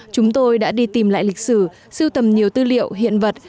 chúng tôi đã đi tìm lại lịch sử siêu tầm nhiều tư liệu hiện vật